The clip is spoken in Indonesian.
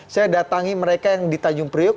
saya datangi mereka yang di tanjung priuk